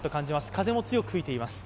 風も強く吹いています。